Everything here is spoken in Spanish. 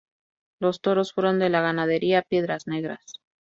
Los toros fueron de la ganadería Piedras Negras.